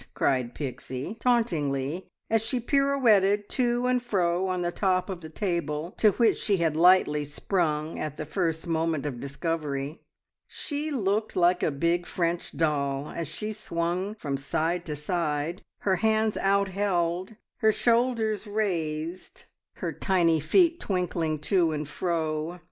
cried Pixie tauntingly, as she pirouetted to and fro on the top of the table, to which she had lightly sprung at the first moment of discovery. She looked like a big French doll, as she swung from side to side, her hands outheld, her shoulders raised, her tiny feet twinkling to and fro.